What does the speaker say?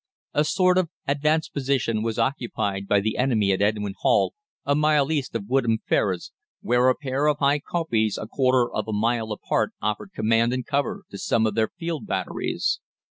A sort of advanced position was occupied by the enemy at Edwin Hall, a mile east of Woodham Ferrers, where a pair of high kopjes a quarter of a mile apart offered command and cover to some of their field batteries.